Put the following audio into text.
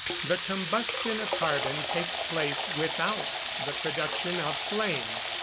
_ The combustion of carbon takes place without the production of flame.